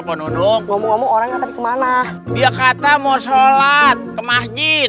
penduduk ngomong ngomong orang akan kemana dia kata mau sholat ke masjid